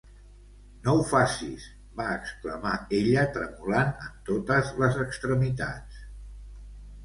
"No ho facis!" va exclamar ella tremolant en totes les extremitats.